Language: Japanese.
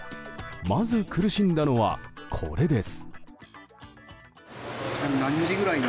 まず苦しんだのは、これです。